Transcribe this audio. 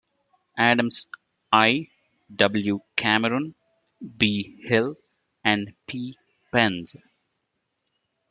Adams, I., W. Cameron, B. Hill and P. Penz.